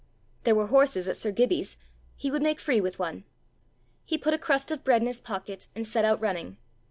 There were horses at sir Gibbie's: he would make free with one! He put a crust of bread in his pocket, and set out running.